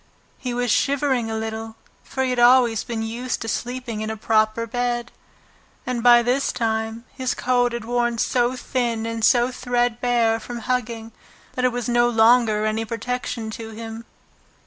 He was shivering a little, for he had always been used to sleeping in a proper bed, and by this time his coat had worn so thin and threadbare from hugging that it was no longer any protection to him.